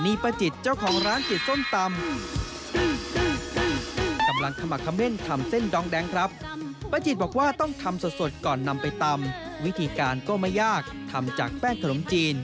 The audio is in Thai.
อัดเผ็ดมาร้ายก็อร่อยแล้วยิ่งยำส้มโอดิโหอยากลองมากเลย